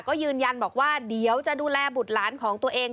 ก็ยืนยันบอกว่าเดี๋ยวจะดูแลบุตรหลานของตัวเอง